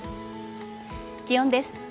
気温です。